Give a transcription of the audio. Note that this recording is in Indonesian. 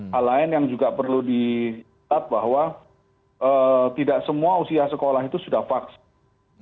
hal lain yang juga perlu dicatat bahwa tidak semua usia sekolah itu sudah vaksin